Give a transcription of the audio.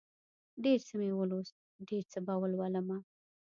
ډېر څه مې ولوست، ډېر څه به ولولمه